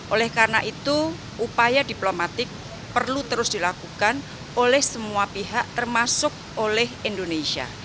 oleh karena itu upaya diplomatik perlu terus dilakukan oleh semua pihak termasuk oleh indonesia